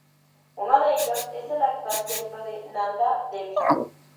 Uno de ellos es el actual templo de Nanda Devi.